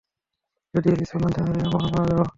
যদি এর স্পন্দন থেমে যায়, আমরা মারা যাব!